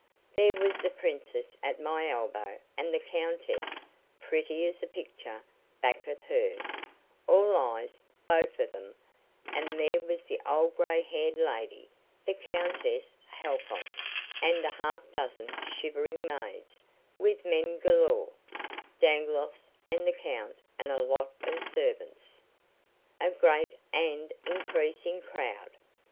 There was the Princess at my elbow and the Countess pretty as a picture back of her, all eyes, both of 'em; and there was the old gray haired lady, the Countess Halfont, and a half dozen shivering maids, with men galore, Dangloss and the Count and a lot of servants, a great and increasing crowd.